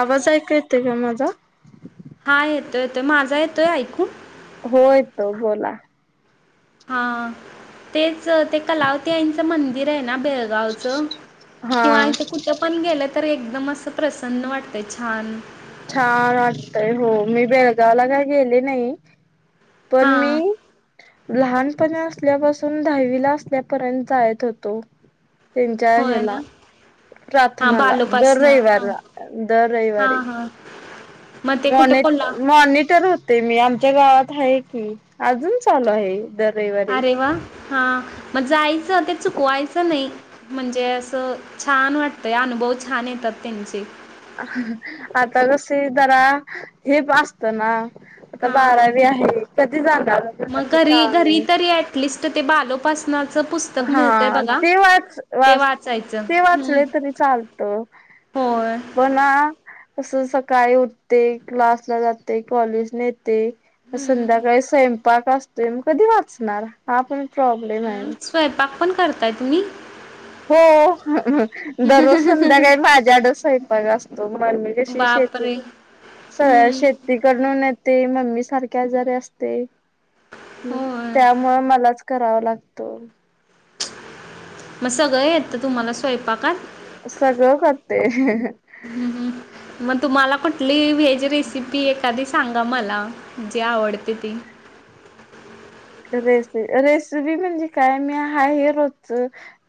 आवाज ऐका येत का माझा हा येतोय येतो माझा येतोय ऐकून होय तो बोला हा तेच ते कलावती आईंचं मंदिर आहे ना बेळगावच किंवा हा कुठे पण गे तर एकदम असं प्रसन्न वाटते छान छान वाटतय हो मी बेळगावला का गेले नाही पणमी हां लहानपणी असल्यापासून दहावीला असल्यापर्यंत जायेत होतो त्यांच्या होय ना ह्याला हां प्रार्थनाला दर बालोपासनं हां रविवारला दर हां रविवारी हां मग ते मॉन कुठं कोल्हा मॉनिटर होते मी आम आच्या गावात आहे कि अजून चालू आहे दर रविवारी हा मग जायचं ते चुकवायचं नाही म्हणजे असं छान वाटतंय अन बहु छान येतात त्यांचे आता कसे जरा हे असत ना आता हां बारावी आहे कधी जाणारु मग घरी घरी कामने तरी ॲटलिस्ट ते बालोपासनाचं पुस्तक मिळतं आहे हा बघा ते वाच ते वाच वाचायचं ते होय. वाचले तरी चालत प ना तसं सकाळी उठते क्लासला जाते कॉलेजने येत ते हम्म संध्याकाळी स्वयंपाक असतोय मग कधी वाचणार हा आपण प्रॉब्लेम आहे स्वयंपाक पण करताय तुम्ही हो दररोज संध्याकाळी माझ्याड स्वयपाक असतो म म कशी शेती बापरे! सगळ्या हम्म शेती करूनेत मममी सारखे आजारी असते होय त्यामुळे मला करावा लागतो मग सगळं येत तुम्हाला स्वयंपाकात सगळं करते हम्म हम्म मग तुम्हाला कुठली व्हेज रेसिपी एखादी सांगा मला जी आवडते ती रेसि रेसिपी म्हणजे काय मी हा हे रोज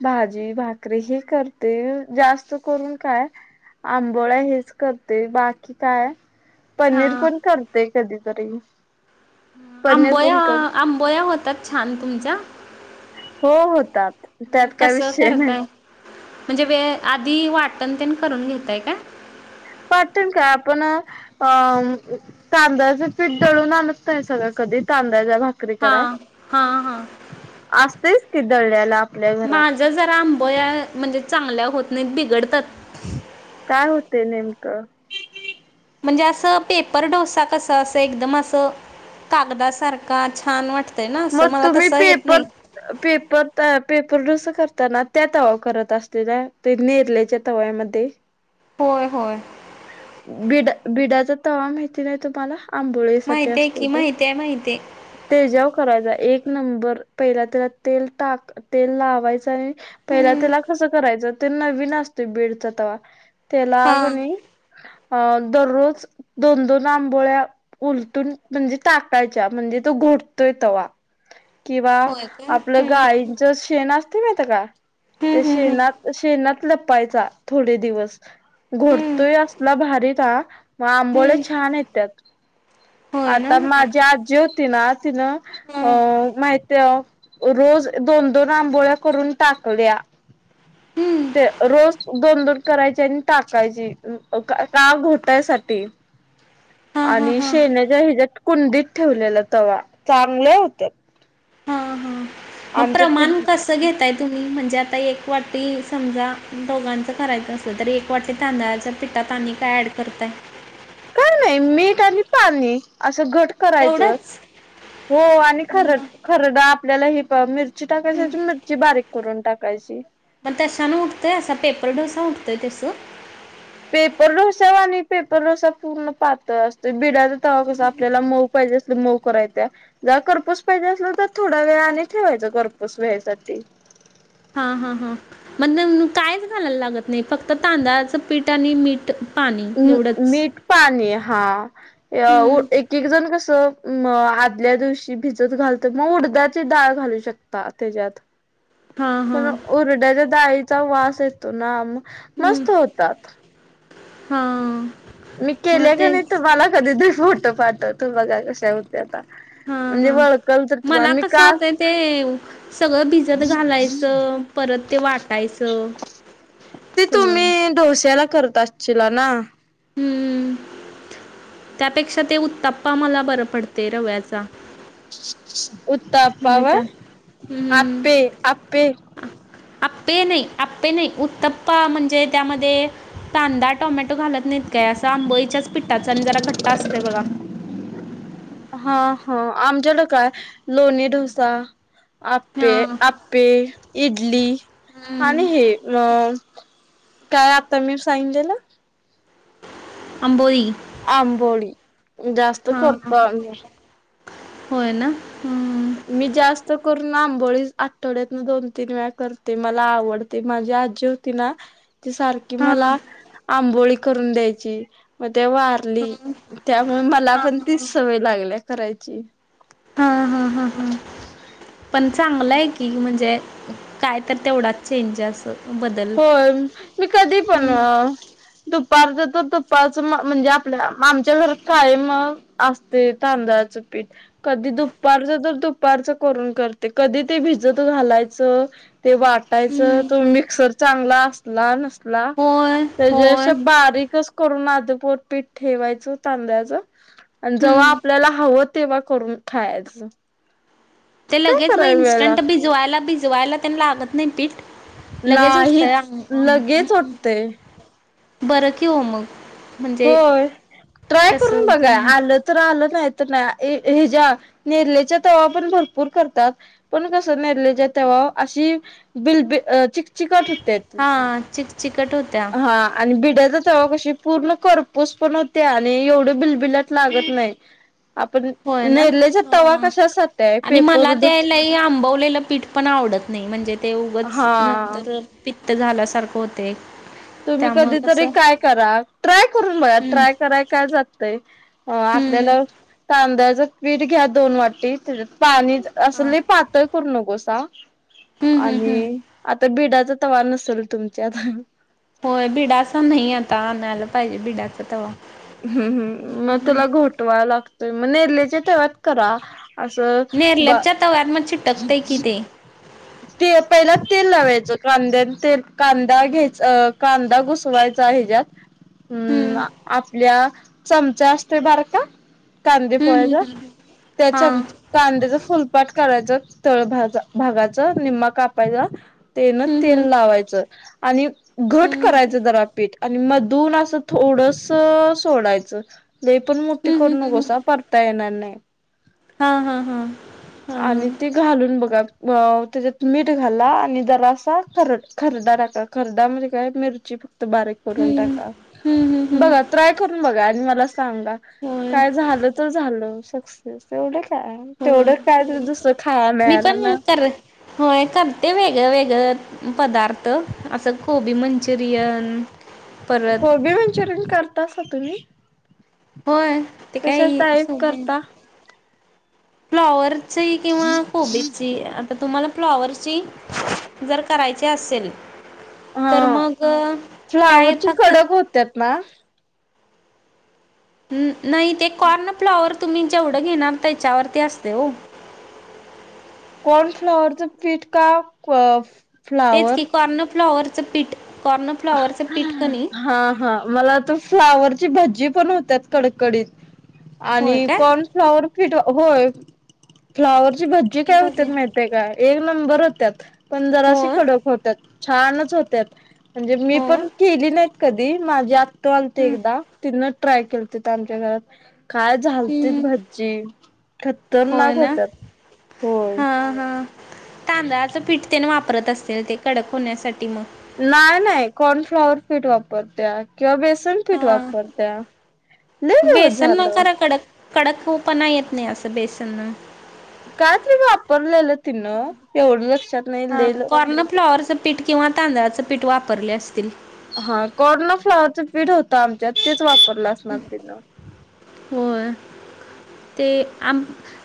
भाजी भाकरी हे करते जास्त करून काय आंबोळा हेच करते बाकी काय हा पनीर पण करते कधीतरी पनीर पण आंबोया कर आंबोया होतात छान तुमच्या हो होतात त्यात मग काय कसं विषय नाही. करताय? म्हणजे वे आधी वाटण तेन करून घेताय काय? वाटण काय आपण अ तांदळाच पिठ दळून आणून सगळं कधी तां भाकरी हा करा हा हा. असतेयच की दळलेलं माझ जरा आंबया म्हणजे चांगल्या होत नाही बिघडतात [inaudible] काय होते नेमकं? [inaudible] म्हणजे असं पेपर डोसा कसं असं एकदम असं कागदासारखा छान वाटत मग तुम्ही पेपर पेपर पेपर डोसा करताना त्या तवा करत असलेला ते नेरल्याच्या तव्यामध्ये होय होय बिडा बिडाचा तवा माहिती नाही तुम्हाला आंबोळी साठी माहिती आहे असते की तर तो माहिती आहे माहिती आहे. त्याच्यावर [unintelligible] एक नंबर पहिला तव्यात तेल टाकाय तेल लावायचं आणि पहीला हम्म त्याला कस करायच ते नवीन असतो बीडचा तवा त्याला हा कणी अ दररोज दोन दोन आंबोळ्या उलटून म्हणजे टाकायच्या म्हणजे तो घो तवा्हा किंवा होय का आपलं हम्म गायंच शेण असते माहीत का? हम्म ते हम्म हम्म शेणात शेणात लपायचा थोडे दिवस हम्म घोडतोय असला भारी त मग आंबोळे हम्म छान येत्यात होय ना आता माझी हम्म आजी होती ना, तीन अ माहिती रोज दोन दोन आंबोळ्या करून टाकल्या [inaudible] हम्म ते रोज दोन दोन करायची आणि टाकायची का घोटायसाठी हा हा आणि हा शेण्याच्या हिच्यात कुंडीत ठेवलेला तवा चांगले होतयात हा [inaudible] मग प्रमाण कस घेताय [inaudible] तुम्ही म्हणजे आता एक वाटी समजा दोघांच करायच असल तर एक वाटी [inaudible] तांदळाचा पिठा [inaudible] यात आणि काय ॲड करतय? काय मीठ आणि पाणी अस घ करायच तेवढंच हो आणि ख खरड आपल्या ही मिर मिरची टाकायची मिरची बारीक करून टाकायची [unintelligible] तेसं [inaudible] पेपर डोसा वाणी आणि पेपर डोसा पूर्ण पातळ असतो. बिडाचा तवा कस आपल्याला मऊ कर मऊ करायच जरा करपूस पाहिजे असलं तर थोडा वेळ आणि ठेवायच करपूस व्हायसाठी. [inaudible] हा हा हा म्हणजे कायच घालायला लागत नाही फक्त तांदळाचं पीठ आणि मीठ. पाणी एवढंच मीठ पाणी हा हम्म. एक एक जण कसं? आदल्या दिवशी भिजत घालत मग उडदाची डाळ घालू शकता त्याच्यात. हां हां मग उडदाच्या डाळीचा वास येतो ना मग. हम्म. मस्त होतात हां [inaudible] मी मग केले का तेच नाही कधी तर कधी? फोट पाठव तू बघा कशा होते आता हा हा हा मला कस का होत ते सगळं भिजत घालायचं परत, ते वाटायचं ते सगळं तुम्ही डोस्याला करत असशीला ना [inaudible] हम्म त्यापेक्षा ते [inaudible] उत्ताप्पा मला बर पडते रव्याचा. [inaudible] म्हणजे उत्तप्पा, त्या आपे आपे [inaudible] आपे नाही [inaudible] आपे नाही उत्तप्पा म्हणजे त्यामध्ये. कांदा टोमॅटो घालत नाहीत काय असं आंबोई च्याच पिठाचा आणि जरा घट्टा असतय बघा. [inaudible] हा ह आमच्याड काय लोणी डोसा आपे हा आपे इडली आणि हम्म हे अ काय आता मी सांलेलं अंबोली आंबोळी जास्त करर्तो आ्ही होय ना हम्म मी जास्त कर लांबोळी आठवड्यातन दोन तीन वेळा करते मला आवडते माझी आजी होती ना ती सारखी हा हा मला आंबोळी करून द्यायची ते वारली त्यामुळे मला पण तीच सवय लागल्या करायची हा हा हा हा पण चांगलं आहे की म्हणजे काय तर तेवढाच चेंज अस होय मी कधी पण हम्म दुपार तुपाच म्हणजे आपल्या आमच्या घरात कायम असते तांदळाचं पीठ कधी दुपारच तर दुपारच करून करते कधी ते भिजत घालायचं ते वाटायचं हम्म तो मिक्सर चांगला असला नस होय होय त्या बारीकच करून अदपोर पीठ ठेवायच तांद्याच आणि जेव्हा हम्म आपल्याला हवं तेव्हा करून खायच ते लगेच मग इन्स्टंट भिजवायला भिजवायला त्यांना लागत नाही पीठ लगेच उठतय नाहीच लगेच होतय बरं कि हो मग म्हणजे होय ट्राय करून तसं बघा आलं तर आलं नाही ह नेरल्याच्या तवा्हा पण भरपूर करतात पण कस नेल्याच्या अशी बिलब चिक चिकट होते ती हां चिक चिकट होत्या हा आणि भिड्याचा क पूर्ण करपोच पण होते आणि एवढ बिलबिलात लागत नाही आपण होय ना नेरलेचा तवा कशासाठी आहे आणि पेपर मला उडून त्याला आंबवलेलं पीठ पण आवडत नाही म्हणजे ते उगच हा नंतर पित्त झाल्यासारखं होते तुम्ही त्यामुळं कधीतरी कसं काय करा ट्राय करून बघा हम्म ट्राय कराय काय जातय अ हम्म आपल्याला तांदलाचं पीठ घ्या दोन वाटी पाणी हा. असले पातळ करू नकोसा हम्म हम्म हम्म आणि आ तर बिडाचा त व नसेल तुमच्या आता होय बिडाच नाही आता आणयला पाहिजे बिडाच तेव्हा हम् हम् मग तुला घोटवा लागतोय मग नेल्याच्या तवात करा असं ब नेरलेपच्या तव्यात मग चिटकतय कि ते ते पहिलाच तेल लावायचं कांद्या ते कांदा घ्यायचा कांदा घुसवायचा आहे ज्यात हम्म आपल्या चमचा असतेो बार का कांदे हम्म हम्म पोळ्याचा हम्म त्याच्या हां कांद्याचा फुलपाक करायचं तळग भागाच निम्मा कापायचा तेन हम्म तेल हम्म लावायचं आणि घट हम्म हम्म करायचं दरा पीठ आणि म धून असं थोडस सोडायचं लै पण मोठी हम्म करू नकोसा परता येणार नाही हा हा ह आणि ते घालून बघा अ त्याच्यात मीठ घाला आणि जरा असा खर खरदा टाका खरड म्हणजे काय मिरची बारीक करून हं. टाका हं, हं, हं. बघा ट्राय करून बघा आणि मला सांगा होय, काय झालं तर झालं सक्सेस तेवढं काय तेवढ होय. मी पण कर होय कर ते वेगळ वेगळें पदार्थ असं कोबी मंचुरियन परत कोबी मंचुरियन करता अस तुम्ही, होय ते कशा काय स टाईप करता फ्लॉवरची किंवा कोबीची आता तुम्हाला फ्लॉवरची जर करायचे असेल, हा तर मग अ, काय फ्लावरची फक्त कडक होत ना? नाही ते कॉर्न फ्लॉवर तुम्ही जेवढं घेणार त्याच्यावर वरती असत्या ओ! कॉन फ्लाॉवरच पीट का तेच फ्लावर की कॉर्नफ्लॉवरचं पीठ, कॉर्नफ्लॉवरचं पीठ कणी हा हा मला त फ्लावरची भजी, पण होत कडडीत आणि होय काय कॉर्नफ्लॉवर ठ होय फ्लावरची भज्जी काय होत्या माहतेय का एक नंबर होत्या. पण जराशी होय खडक होतात छानच होत्या म्हणजे मी होय पण केली नाही, कधी माझी आत्तू आलते एकदा तिन ट्राय केलं त आमच्या घरात, काय झालती हम्म भाजी होय खतरनाक ना होतात होय. हा हा तांदळाचं पीठ तेने वापरत असे ते कडक होण्यासाठी मग, नाही नाही कॉर्नफ्लॉवर पीठ वापरत्या किंवा बेस सनपीट हा वापरत्या लय दिवस बेसन न झालं. खरा कडक होपणा येत नाही असं बेसन न, कायतर वापरलेली हा कॉर्न फ्लॉवरचं पीठ किंवा तांदळाचे पीठ पीठ वापरले असतील, हा कॉर्ना फ्लाॉवरच पीठ होत आमच्यात तेच वापरलं असणार तिन, होय. ते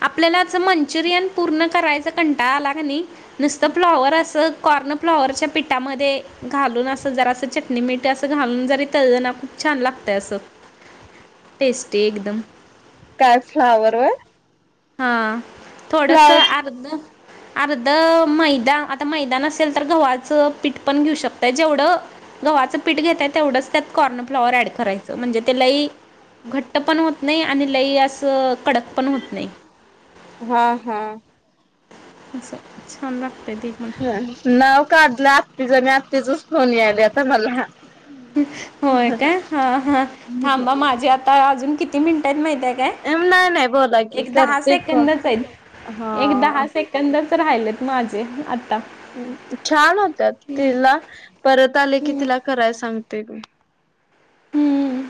आपल्याला मंचुरियन पूर्ण करायचा कंटा आला का नाही. नुसतं फ्लावर असं कॉर्न फ्लॉवरच्या पिठामध्ये घालून असं जरा असं चटणी मीठ असं घालून जरी तळ ना. छान लागतं असं टेस्टी एकदम. काय फ्लावर होय. हा थोडस अर्ध, अर्ध मैदा आता मैदान नसेल तर गव्हाचं पीठ पण घेऊ शकतय जेवढं गव्हाचं पीठ घेतताय तेवढंच त्यात कॉर्न फ्लाॉवर ऍड करायचं म्हणजे त्यालाही घट्ट पण होत नाही, आणि लई असं कडक पण होत नाही, हा हा अच् छान रा ह नाव काढलं आत्तीच मी आत्तीचच फोन याला आता मला. होय का हा हा थांबा माझे आता अजून किती मिनिटत माहिती आहे का? नाही नाही बोला काय की एक दहा करते क सेकंदच एक आहेत. हा दहा सेकंद तर राहिलेत माझे आ, छान होत्या तिला परत आले की तिला कराय सांग ते ग हम्म!